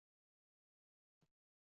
肃靖王继妃晏氏肃靖王次妃杨氏